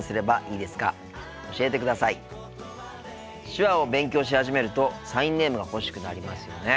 手話を勉強し始めるとサインネームが欲しくなりますよね。